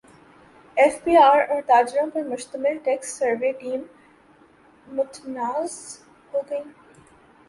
F B R اور تاجروں پر مشتمل ٹیکس سروے ٹیمیں متنازع ہو گئیں